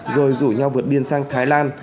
rồi rủ nhau vượt biên sang thái lan